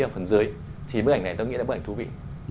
ở phần dưới thì bức ảnh này tôi nghĩ là bức ảnh thú vị